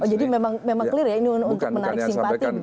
oh jadi memang clear ya ini untuk menarik simpati